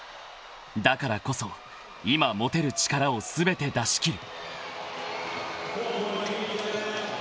［だからこそ今持てる力を全て出し切る］